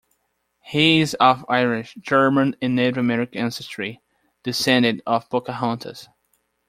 He is of Irish, German, and Native American ancestry, descendant of Pocahontas.